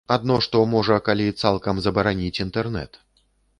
Адно што, можа, калі цалкам забараніць інтэрнэт.